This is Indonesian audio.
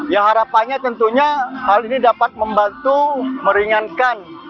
ya harapannya tentunya hal ini dapat membantu meringankan